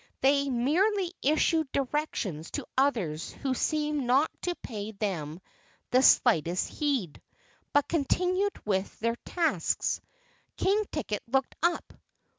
They merely issued directions to the others who seemed not to pay them the slightest heed, but continued with their tasks. King Ticket looked up.